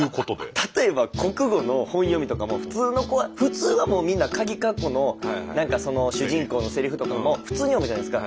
例えば国語の本読みとかも普通の子は普通はもうみんなかぎかっこの何か主人公のせりふとかも普通に読むじゃないですか。